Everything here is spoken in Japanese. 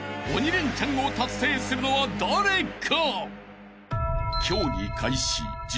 レンチャンを達成するのは誰か？］